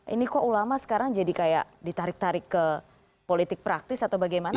ini kok ulama sekarang jadi kayak ditarik tarik ke politik praktis atau bagaimana